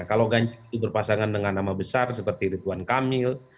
kalau ganjar itu berpasangan dengan nama besar seperti ridwan kamil